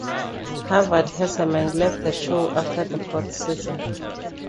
Howard Hesseman left the show after the fourth season.